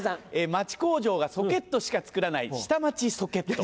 町工場がソケットしか作らない「下町ソケット」。